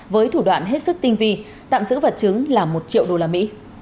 với thủ đoạn hết sức tinh vi tạm giữ vật chứng là một triệu usd